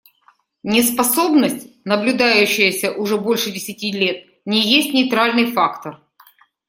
Неспособность, наблюдающаяся уже больше десяти лет, не есть нейтральный фактор.